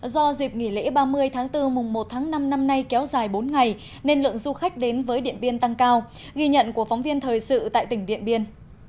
do dịp nghỉ lễ ba mươi tháng bốn mùng một tháng năm năm nay kéo dài bốn ngày nên lượng du khách đến với điện biên tăng cao ghi nhận của phóng viên thời sự tại tỉnh điện biên